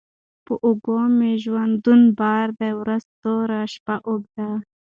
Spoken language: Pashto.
پر اوږو مي ژوندون بار دی ورځي توري، شپې اوږدې